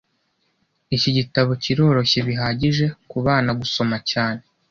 Iki gitabo kiroroshye bihagije kubana gusoma cyane